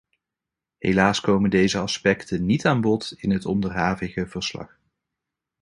Helaas komen deze aspecten niet aan bod in het onderhavige verslag.